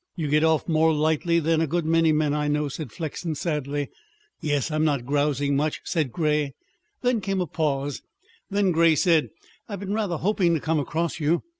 "You get off more lightly than a good many men I know," said Flexen sadly. "Yes. I'm not grousing much," said Grey. There came a pause, and then Grey said: "I've been rather hoping to come across you.